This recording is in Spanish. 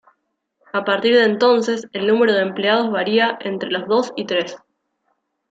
A partir de entonces, el número de empleados varía entre los dos y tres.